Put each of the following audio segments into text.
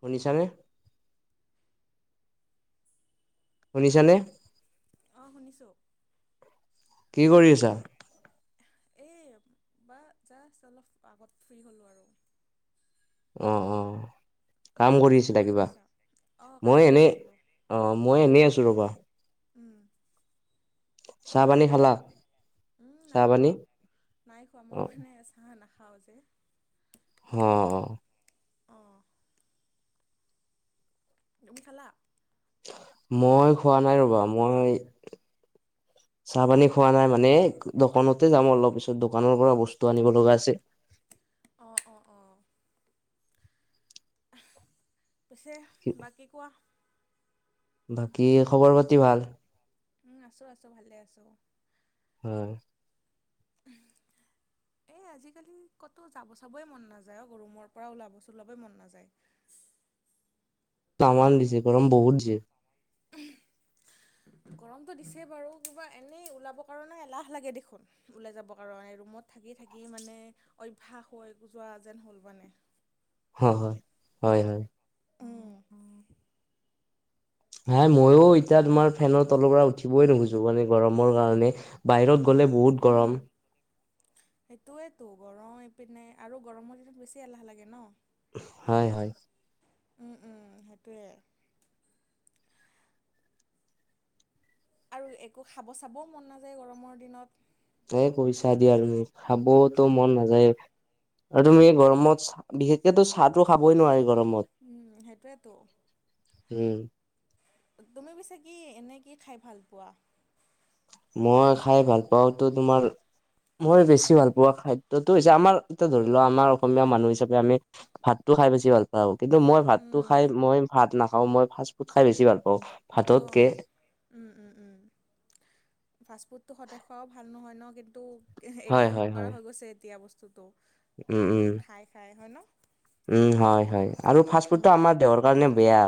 শুনিছানে? শুনিছানে? অ', শুনিছোঁ। কি কৰি আছা? এই বা জাষ্ট অলপ আগত ফ্ৰী হ'লোঁ আৰু। অ', অ'। কাম উম, কৰি তুমি আছিলা কি কিবা কৰিছা? অ', মই কাম কৰি এনে আছিলোঁ। অ', মই এনেই আছোঁ ৰ'বা। উম, চাহ পানী বাকী খালা উম, চাহ নাই পানী খোৱা, নাই খোৱা, অ মই মানে আজি হাঁহ নাখাওঁ যে। [unintelligible] অ'। তুমি খালা? মই খোৱা নাই ৰবা মই [unintelligible] চাহ পানী খোৱা নাই মানে, দোকানতে যাম অলপ পিছত দোকানৰ পৰা বস্তু আনিব লগা আছে। অ', অ', অ'। পিছে বাকী কোৱা। বাকী খবৰ পাতি ভাল? উম, আছোঁ আছোঁ ভালে আছোঁ। অ'। [inaudible] এ আজিকালি ক'তো যাব চাবই মন নাযায় অ', গৰুমৰ পৰা ওলাব চলাবই মন নাযায়। টামান দিছে গৰম বহুত যে। গৰমটো দিছে বাৰু কিবা এনেই ওলাবৰ কাৰণে এলাহ লাগে দেখোন। ওলাই যাবৰ কাৰণে ৰুমত থাকি থাকি মানে অভ্যাস হৈ যোৱা যেন হ'ল মানে। হয় হয়, হয় হয়। উম [unintelligible] নাই মইও এতিয়া তোমাৰ ফেনৰ তলৰ পৰা উঠিবই নোখোজোঁ, মানে গৰমৰ কাৰণে। বাহিৰত গ'লে বহুত উম গৰম। সেইটোৱেতো, গৰম ইপিনে আৰু গৰমৰ দিনত বেছি এলাহ লাগে ন। হয় হয়। উম উম' সেইটোৱে। আৰু একো খাব চাবও মন নাযায় গৰমৰ দিনত। এ কইচা দিয়া তুমি খাবওতো মন উম নাযায়এ। আৰু তুমি গৰমত চাহ বিশেষকে তো চাহটো খাবই নোৱাৰি। গৰমত উম' সেইটৱেতো। উম' তুমি পিছে কি এনেই কি খাই ভাল পোৱা? মই খাই ভাল পাওঁতো তোমাৰ- ময় বেছি ভাল পোৱা খাদ্যটো হৈছে আমাৰ এতিয়া ধৰি লোৱা আমাৰ অসমীয়া মানুহ হিচাপে আমি- ভাতটো খাই বেছি ভাল পাওঁ, কিন্তু মই ভাতটো উম খাই মই ভাত নাখাওঁ মই ফাষ্ট ফুড খাই বেছি ভাল পাওঁ। ভাততকে অঁ, উম' উম' ফাষ্টফুডটো সদায় খোৱাও ভাল নহয় ন কিন্তু হয় এৰিব হয় নোৱাৰা হয় হৈ গৈছে এতিয়া বস্তুটো। উম উম খাই খাই হয় ন। উম' হয় হয়, আৰু ফাষ্ট ফুডটো আমাৰ দেহৰ কাৰণে বেয়া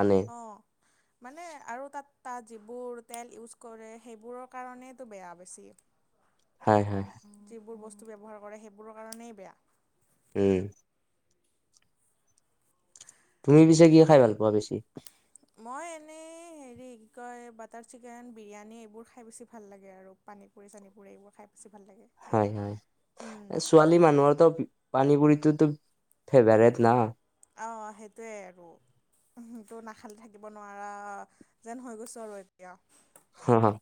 মানে। অঁ' মানে আৰু তাত তাত যিবোৰ তেল ইউজ কৰে সেইবোৰৰ কাৰণেইটো বেয়া বেছিকে। [inaudible] হয় হয়। যিবোৰ বস্তু ব্যৱহাৰ কৰে সেইবোৰৰ কাৰণেই বেয়া। উম' তুমি পিছে কি খাই ভাল পোৱা বেছি? মই এনেই হেৰি কি কয় বাটাৰ চিকেন বিৰিয়ানী এইবোৰ খাই বেছি ভাল লাগে আৰু। পানী পুৰি চানী পুৰি এইবোৰ খাই বেছি ভাল লাগে। হয় হয়, উম, এ ছোৱালী মানুহৰতো পানীপুৰিটোতো ফেভাৰেট না। অঁ সেইটোৱে আৰু। ত নাখালে থাকিব নোৱাৰা যেন হৈ গৈছো আৰু এতিয়া। হঁ হঁ।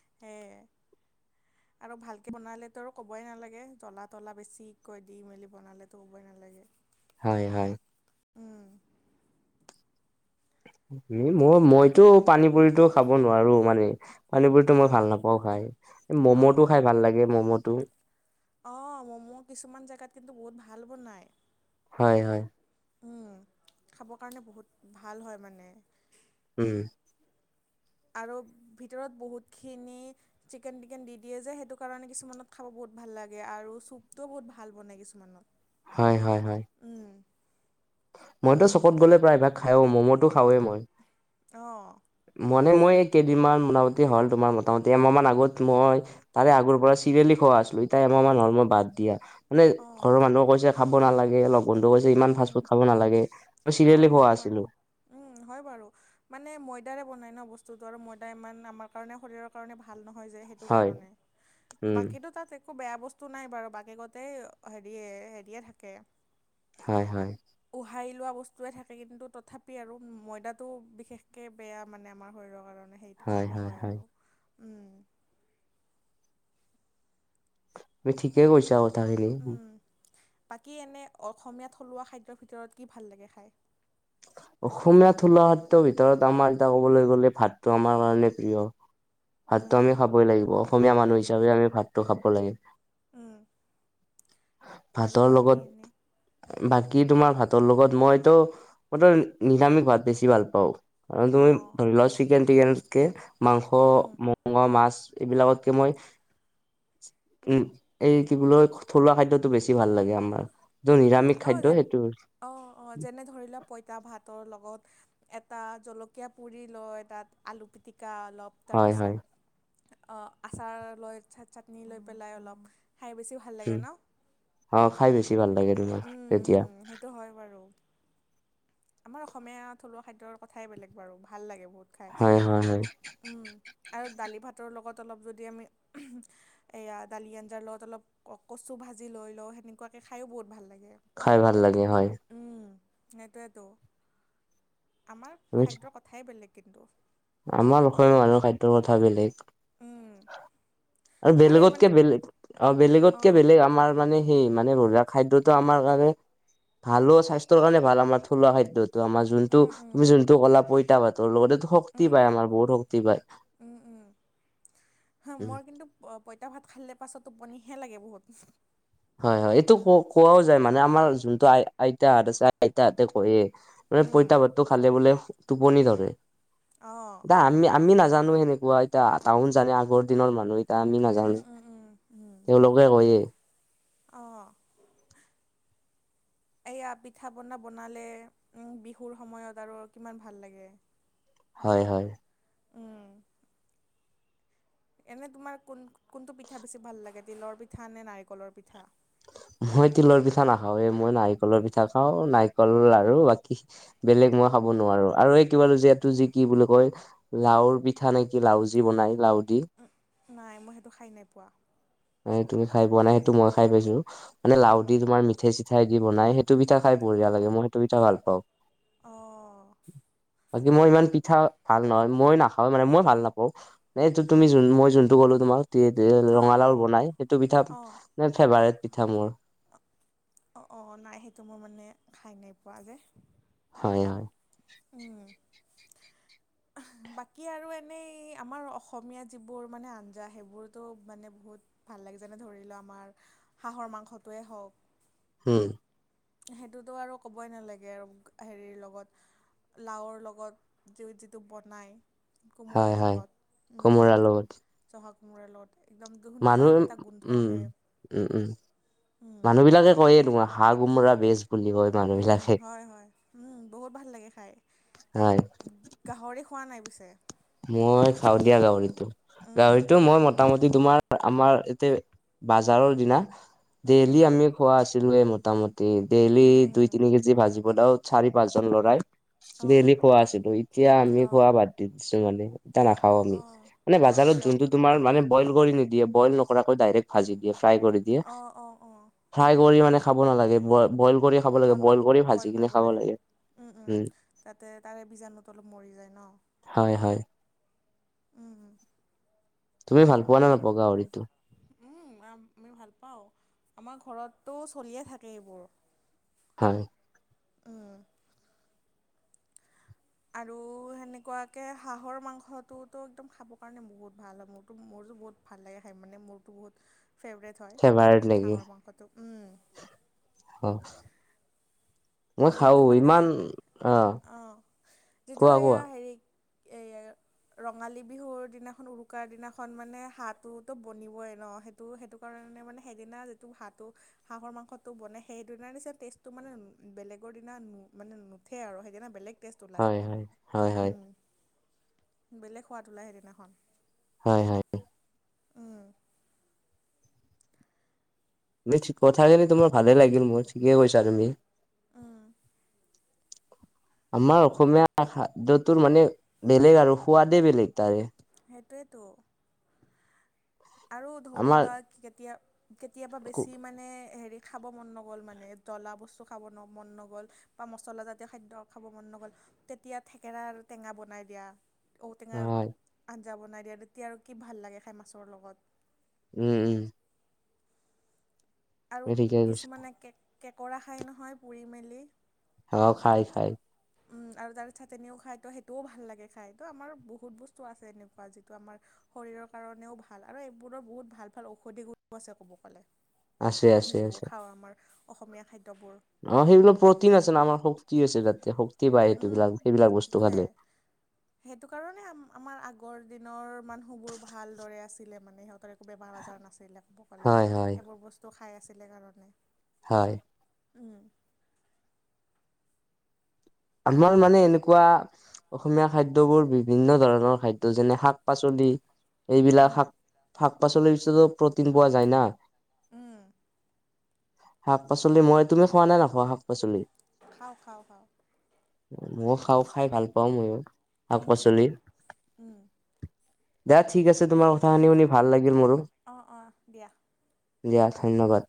সে- আৰু ভালকে বনালেতো ক'বই নালাগে, জ্বলা তলা বেছিকৈ দি মেলি বনালেতো ক'বই নালাগে। হয় হয়। উম' মোৰ ময় মইতো পানী পুৰিতো খাব নোৱাৰো মানে। পানী পুৰিটো মই অঁ, ভাল নাপাওঁ খাই, অঁ, ম'ম'টো অঁ। খাই ভাল লাগে ম'ম'টো। অঁ মম' কিছুমান জেগাত কিন্তু বহুত ভাল বনায়। হয় হয়। উম' খাব কাৰণে বহুত ভাল হয় মানে। উম' আৰু ভিতৰত বহুতখিনি- চিকেন টিকেন দি দিয়ে যে সেইটো কাৰণে কিছুমানত খাব বহুত ভাল লাগে আৰু চুপটোও বহুত ভাল বনায় কিছুমানত। হয় হয় হয়। উম' মইতো চপত গ'লে প্ৰায়ভাগ খাইও ম'ম'টো খাৱেঁ মই। অঁ' মানে মই কেইদিনমান মোটামুটি হ'ল তোমাৰ মোটামুটি এমাহ মান আগত মই তাৰে আগৰ পৰা চিৰিয়েলি খোৱা আছিলো এতিয়া এমাহ মান হ'ল বাদ দিয়া। মানে অঁ, ঘৰৰ মানুহ কৈছে খাব নালাগে লগ বন্ধু কৈছে ইমান ফাষ্ট ফুড খাব নালাগে। মই অঁ চিৰিয়েলি খোৱা হয় বাৰু। আছিলো উম হয় বাৰু মানে ময়দাৰে বনায় ন বস্তুটো আৰু ময়দা ইমান আমাৰ কাৰণে শৰীৰৰ কাৰণে ভাল নহয় যে সেইটো হয় কাৰণে উম, বাকীটো তাত একো বেয়া বস্তু নাই বাৰু বাকেগতেই হেৰি হেৰিয়ে থাকে। হয় হয়। উহাই লোৱা বস্তু থাকে কিন্তু তথাপি আৰু ময়দাটো বিশেষকে বেয়া মানে আমাৰ শৰীৰৰ কাৰণে। সেইটো হয়, কাৰণে হয়, কয় হয়, আৰু উম তুমি ঠিকেই কৈছা কথাখিনি। উম। বাকী এনে অসমীয়া থলুৱা খাদ্যৰ ভিতৰত কি ভাল লাগে খায়? অসমীয়া থলুৱা ভিতৰত আমাৰ এতিয়া ক'বলৈ গ'লে ভাতটো আমাৰ কাৰণে প্ৰিয়। ভাতটো উম, আমি খাবই লাগিব অসমীয়া মানুহ উম, হিচাপে আমি ভাতটো খাব লাগিব। উম। আৰু ভাতৰ বাকী লগত এনে বাকী তোমাৰ ভাতৰ লগত মইতো মইতো নিৰামিষ ভাত বেছি ভাল পাওঁ। কাৰণ তুমি অ', ধৰি লোৱা চিকেন তিকেনতকে মাংস উম, মগ মাছ এইবিলাকতকে মই উম এই কি বুলি কয়, থলুৱা খাদ্যতটো বেছি ভাল লাগে আমাৰ। যোন উম নিৰামিষ অ খাদ্য যে সেইটো অ অ যেনে ধৰি লোৱা পইতা ভাতৰ লগত এটা জলকীয়া পুৰি লয়, তাত আলু পিটিকা অলপ হয়, হয়, তাৰপাছত আচাৰ লৈ চাটনি লৈ পেলাই অলপ খাই বেছি ভাল লাগে উম ন অ খাই বেছি ভাল লাগে তোমাৰ উম তেতিয়া উম সেইটো হয় বাৰু আমাৰ অসমীয়া থলুৱা খাদ্যৰ কথাই বেলেগ বাৰু ভাল লাগে বহুত খাই হয় হয় হয় উম আৰু দালি ভাতৰ লগত অলপ যদি আমি এয়া দালি আঞ্জাৰ লত অলপ কচু ভাজি লৈ লওঁ। সেনেকুৱাকে খায়ো বহুত ভাল লাগে। খাই ভাল লাগে হয়। উম সেইটোৱেতো আমাৰ তুমি খাদ্যৰ কথাই বেলেগ কিন্তু। আমাৰ অসমীয়া মানুহৰ খাদ্যৰ কথা বেলেগ। উম আৰু বেলেগতকে বেলেগ অ অ বেলেগতকে বেলেগ আমাৰ মানে সেই মানে বা খাদ্যতো আমাৰ কাৰণে ভালো স্বাস্থ্যৰ কাৰণে ভাল আমাৰ থলুৱা খাদ্যত ত আমাৰ যোনটো উম উম তুমি যোনটো ক'লা পইতা ভাতৰ লগতে শক্তি উম পায় উম আমাৰ বহুত শক্তি পায় উম উম হা উ। মোৰ কিন্তু পইতা ভাত খালে পাছত টোপনিহে লাগে বহুত হয় হয় এইটো ক কোৱাও যায় মানে আমাৰ যোনটো আই আইতাহঁত আছে আইতহঁতে কয় মানে উম পইতা ভাতটো খালে বোলে টোপনি ধৰে। অ দা আমি আমি নাজানো সেনেকুৱা এতিয়া টাউন জানে আগৰ দিনৰ মানুহ এ বা আমি নাজানো উম উম উম তেওঁলোকে কয়েই। অঁ এইয়া পিঠা পনা বনালে বিহুৰ সময়ত আৰু কিমান ভাল লাগে। হয় হয়। উম। এনে তোমাৰ কোন কোনটো পিঠা বেছি ভাল লাগে তিলৰ পিঠা নে নাৰিকলৰ পিঠা? মই তিলৰ পিঠা নাখাওঁৱে মই নাৰিকলৰ পিঠা খাওঁ, নাৰিকল আৰু বাকী বেলেগ মই উম খাব উম নোৱাৰোঁ, আৰু এই [unintelligible] যি কি বুলি কয় লাওৰ পিঠা নে কি মলাও যি বনাই লাও দি? [unintelligible] নাই মই সেইটো খাই নাই পোৱা। নাই তুমি খাই পোৱা নাই সেইটো মই খাই পাইছোঁ, মানে লাও দি উম তোমাৰ মিঠাই চিঠাই দি বনাই সেই টো পিঠা খাই অ বঢ়িয়া লাগে মই সেইটো পিঠা ভাল পাওঁ। অ বাকী মই ইমান পিঠা ভাল নহয় মই নাখাওঁ মানে মই ভাল নাপাওঁ। এইটো তুমি যোন মই যোনটো ক'লো তোমাক [unintelligible] অ অ ৰঙালাও বনাই সেইটো পিঠা অ ফেভাৰেট পিঠা মোৰ। অ', অ', নাই সেইটো মোৰ মানে খাই নাই পোৱা যে। হয়, হয়। উম। বাকী আৰু এনেই আমাৰ অসমীয়া যিবোৰ মানে আঞ্জা সেইবোৰতো মানে বহুত ভাল লাগে যেনে ধৰি লও আমাৰ হাঁহৰ মাংসটোৱে হওক। হম। সেইটোতো আৰু ক'বই নালাগে আৰু হেৰিৰ লগত লাওৰ লগত যি-যিটো বনায় কোমোৰাৰ হয় হয় লগত উম, কোমোৰা লগত জহা কোমোৰাৰ লগত। একদম ধুনীয়া মানুহ এটা গোন্ধ উম, আহে উম, উম, উম মানুহ বিলাকে কয়ে তোমাৰ হাঁ কোমোৰা বেজ বুলি কয় মানুহ উম, বিলাকে হয় হয়। উম, বহুত ভাল লাগে খাই। হয় গাহৰি খোৱা নাই পিছে? মই খাওঁ দিয়া গাহৰিতটো, উম উম গাহৰিত টো উম মই মোটামুটি তোমাৰ আমাৰ এতে বাজাৰৰ দিনা উম ডেইলি আমি খোৱা আছিলোঁৱে মোটামুটি ডেইলি উম উম দুই তিনি কেজি ভাজি [unintelligible] চাৰি পাঁচ জন ল'ৰাই অঁ ডেইলি খোৱা আছিলোঁ, এতিয়া আমি অঁ খোৱা বাদ দি দিছো মানে। টা নাখাওঁ আমি। অঁ মানে অঁ বজাৰত কিয় যোনটো তোমাৰ মানে বইল কৰি নিদিয়ে বইল নকৰাকৈ ডাইৰেক্ট ভাজি দিয়ে ফ্ৰাই কৰি দিয়ে। অ', অ', অ'। ফ্ৰাই কৰি মানে খাব নালাগে বই-বইল কৰি খাব লাগে বইল কৰি ভাজি কিনে খাব লাগে, উম। তাতে তাৰে বীজাণুটো অলপ মৰি যায় ন? হয়, হয়। উম, উম। তুমি ভাল পোৱা নে নাপোৱা গাহৰিতো? উম, আমি ভাল পাওঁ। আমাৰ ঘৰততো চলিয়ে থাকে এইবোৰ। হয়। উম। আৰু সেনেকুৱাকে হাঁহৰ মাংসটোতো একদম খাবৰ কাৰণে বহুত ভাল হয় মোৰতো মোৰতো বহুত ভাল লাগে খাই মানে মোৰতো বহুত ফেভৰেট হয় ফেভাৰেট নেকি হাঁহৰ মাংসটো, উম। [unintelligible] খাও যিটো মানে, ইমান অ অ', যিটো কোৱা এইয়া কোৱা হেৰি এইয়াঅ ৰঙালী বিহুৰ দিনাখন উৰুকাৰ দিনাখন মানে হাঁহটোতো বনিবই ন সেই তো সেইটো কাৰণে মানে সেইদিনা যিটো হাঁহ টো হাঁহৰ মাংসটো বনে সেইদিনাৰ নিচিনা টেষ্টটো মানে বেলেগৰ দিনা নু মানে নুঠে আৰু সেইদিনা বেলেগ টেষ্ট ওলায় হয় হয় হয় হয় উম বেলেগ সোৱাদ ওলায় সেইদিনাখন হয় হয় উম, মিঠ কথাখিনি তোমাৰ ভালে লাগিল মোৰ, ঠিকে কৈছা তুমি অ, আমাৰ অসমীয়া খাদ্যটোৰ মানে বেলেগ আৰু সোৱাদে বেলেগ তাৰে। সেইটোৱেতো আৰু ধৰি আমাৰ লোৱা, কেতিয়া কেতিয়াবা বেছি মানে হেৰি খাব মন নগ'ল মানে, জ্বলা বস্তু খাব ন মন নগ'ল বা মছলাজাতীয় খাদ্য খাব মন নগ'ল, তেতিয়া থেকেৰাৰ টেঙা বনাই দিয়া ঔটেঙাৰ হয় আঞ্জা বনাই দিয়া তেতিয়া আৰু কি ভাল লাগে খাই মাছৰ লগত। উম উম আৰু তুমি ঠিকে কৈছা কিছুমানে কে কেকৰা খাই নহয়, পুৰি মেলি। অঁ খাই খায় খায়। আৰু তাৰে চাত এনিউ খায় ত' সেইটোও ভাল লাগে খাই, ত' আমাৰ বহুত বস্তু আছে এনেকুৱা যিটো আমাৰ শৰীৰৰ কাৰণেও ভাল আৰু এইবোৰো বহুত ভাল ভাল ঔষধি গুন আছে ক'ব গ'লে। আছে আমি আছে যিবোৰ খাওঁ আমাৰ অসমীয়া খাদ্যবোৰ। অঁ সেইবিলাক প্ৰটিন আছে ন' আমাৰ শক্তি আছে তাতে শক্তি পায় সেই উম, বিলাক সেইবিলাক বস্তু সেইটোৱে। খালে। সেইটো কাৰণে আম আমাৰ আগৰ দিনৰ মানুহবোৰ ভাল দৰে আছিলে মানে সিহঁতৰ এ বেমাৰ আজাৰ নাছিলে ক'ব গ'লে। হয় হয় এইবোৰ বস্তু খাই আছিলে কাৰণে। হয়। উম। আমাৰ মানে এনেকুৱা অসমীয়া খাদ্যবোৰ বিভিন্ন ধৰণৰ খাদ্য, যেনে শাক - পাচলি। এইবিলাক উম, শাক শাক পাচলিৰ ওছতো প্ৰটিন পোৱা যায় না। উম। শাক পাচলি, মই তুমি খোৱা নাই নোখোৱা শাক পাচলি? খাওঁ খাওঁ খাওঁ। ময়ো খাওঁ, খাই ভাল পাওঁ ময়ো শাক উম, পাচলি। উম, দিয়া ঠিক আছে, তোমাৰ কথা খিনি ঠিক শুনি আছে। ভাল লাগিল মোৰো। অ', অ', দিয়া। দিয়া ধন্যবাদ।